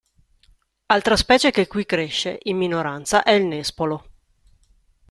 Altra specie che qui cresce, in minoranza è il nespolo.